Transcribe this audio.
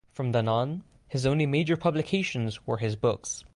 From then on, his only major publications were his books.